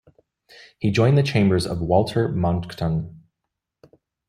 He joined the chambers of Walter Monckton.